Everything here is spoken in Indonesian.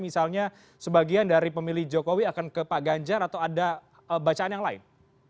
misalnya sebagian dari pemilih jokowi akan ke pak ganjar atau ada bacaan yang lain